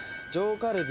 カルビ。